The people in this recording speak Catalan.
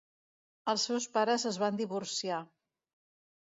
Els seus pares es van divorciar.